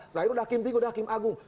selain itu ada hakim tinggi ada hakim agung